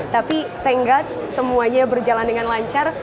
tapi thank god semuanya berjalan dengan lancar